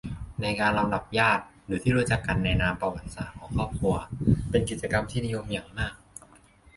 ในการลำดับญาติ หรือที่รู้จักกันในนามผระวัติศาสตร์ของครอบครัว เป็นกิจกรรมที่นิยมอย่างมาก